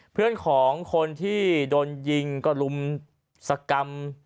เพื่อนของคนที่โดนยิงก็ลุมสกรรม